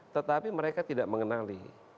tetapi mereka tidak mengenali